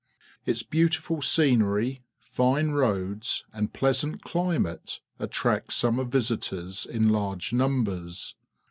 Its beautiful scenery, fine roads, and pleasant climate attract summer ^ isitors in large numbers.